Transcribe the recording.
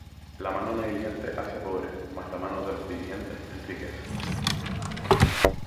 La mano negligente hace pobre: Mas la mano de los diligentes enriquece.